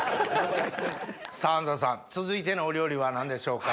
さぁ安澤さん続いてのお料理は何でしょうか？